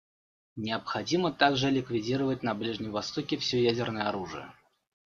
Необходимо также ликвидировать на Ближнем Востоке все ядерное оружие.